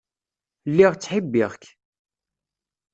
Lliɣ ttḥibbiɣ-k.